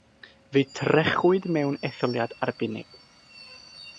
Fe'i trechwyd mewn etholiad arbennig.